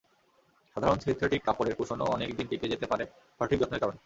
সাধারণ সিনথেটিক কাপড়ের কুশনও অনেক দিন টিকে যেতে পারে সঠিক যত্নের কারণে।